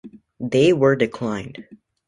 They were declined.